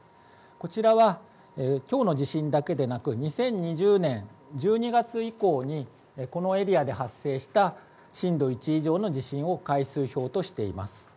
こちらは、きょうの地震だけでなく２０２０年１２月以降にこのエリアで発生した震度１以上の地震を回数表としています。